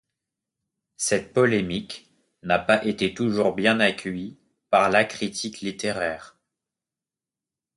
Cette polémique n'a pas été toujours bien accueillie par la critique littéraire.